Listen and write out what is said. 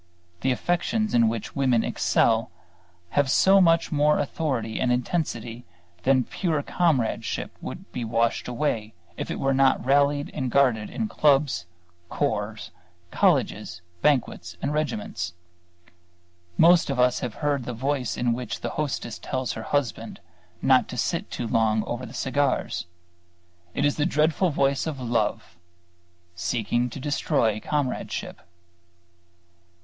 The affections in which women excel have so much more authority and intensity that pure comradeship would be washed away if it were not rallied and guarded in clubs, corps, colleges, banquets and regiments. Most of us have heard the voice in which the hostess tells her husband not to sit too long over the cigars. It is the dreadful voice of Love, seeking to destroy Comradeship.